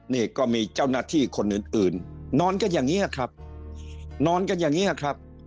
นี่ก็มีเจ้าหน้าที่คนอื่นอื่นนอนกันอย่างนี้ครับนอนกันอย่างนี้ครับ